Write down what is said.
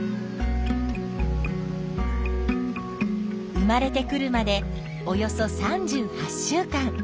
生まれてくるまでおよそ３８週間。